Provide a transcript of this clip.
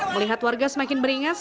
melihat warga semakin beringas